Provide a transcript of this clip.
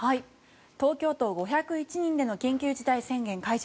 東京都５０１人での緊急事態宣言解除。